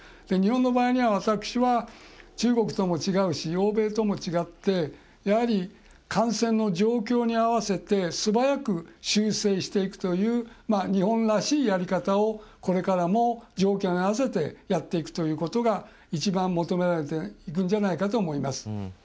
日本の場合には私は中国とも違いますし欧米とも違って、やはり感染の状況に合わせて素早く修正していくという日本らしいやり方をこれからも、状況に合わせてやっていくということが一番、求められていくんじゃないかと思います。